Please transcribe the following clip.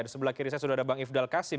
di sebelah kiri saya sudah ada bang ifdal kasim